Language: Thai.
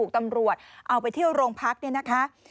ตำรวจเอาไปเที่ยวโรงพักเนี่ยนะคะ